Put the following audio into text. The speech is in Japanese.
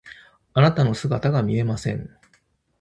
あなたの姿が見えません。